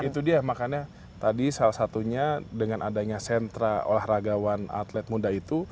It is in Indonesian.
itu dia makanya tadi salah satunya dengan adanya sentra olahragawan atlet muda itu